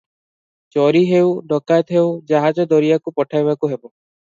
ଚୋରି ହେଉ, ଡକାଏତି ହେଉ, ଜାହାଜ ଦରିଆକୁ ପଠାଇବାକୁ ହେବ ।